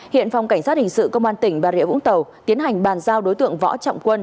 hiện phòng cảnh sát hình sự công an tỉnh bà rịa vũng tàu tiến hành bàn giao đối tượng võ trọng quân